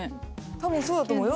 たぶんそうだと思うよ。